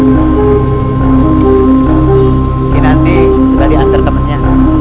nanti sudah diantar temennya